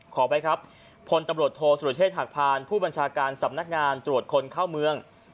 ขอไปครับพลตำรวจโทษสุรเชษฐหักพานผู้บัญชาการสำนักงานตรวจคนเข้าเมือง